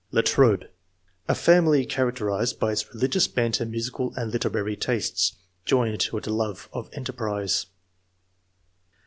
Latrobe. — A family characterzied by its re ligious bent and musical and literary tastes, joined to a love of enterprise.